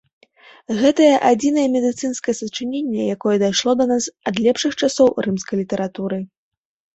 Гэта адзінае медыцынскае сачыненне, якое дайшло да нас ад лепшых часоў рымскай літаратуры.